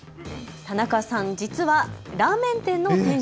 田中さん、実はラーメン店の店主。